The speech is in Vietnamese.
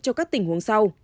cho các tình huống sau